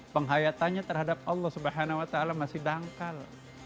penghayatannya terhadap allah swt masih dangkal